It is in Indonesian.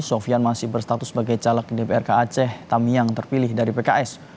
sofian masih berstatus sebagai caleg dpr ke aceh tamiang terpilih dari pks